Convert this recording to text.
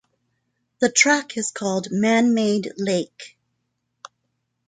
The track is called "Manmade Lake".